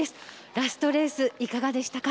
ラストレースいかがでしたか。